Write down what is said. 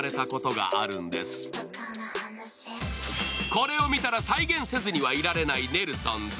これを見たら再現せずにはいられないネルソンズ。